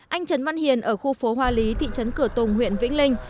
anh trấn văn hiền ở khu phố hoa lý thị trấn cửa tùng huyện vĩnh linh